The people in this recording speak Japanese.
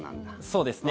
そうですね。